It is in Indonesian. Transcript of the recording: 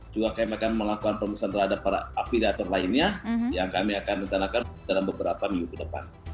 juga kami akan melakukan pemeriksaan terhadap para afiliator lainnya yang kami akan rencanakan dalam beberapa minggu ke depan